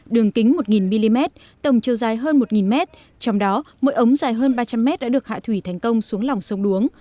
đường kính một mm tổng chiều dài hơn một m trong đó mỗi ống dài hơn ba trăm linh mét đã được hạ thủy thành công xuống lòng sông đuống